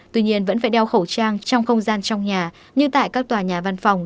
tuy nhiên vẫn phải đeo khẩu trang trong không gian trong nhà như tại các tòa nhà văn phòng